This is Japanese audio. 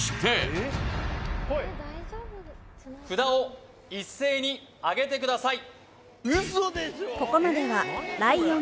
札を一斉にあげてください